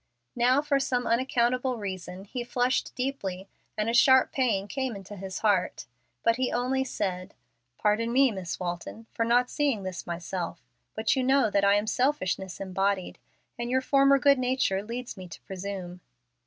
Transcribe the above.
Now, for some unaccountable reason, he flushed deeply and a sharp pain came into his heart. But he only said, "Pardon me, Miss Walton, for not seeing this myself. But you know that I am selfishness embodied, and your former good nature leads me to presume."